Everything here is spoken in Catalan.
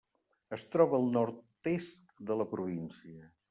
Es troba al nord-est de la província.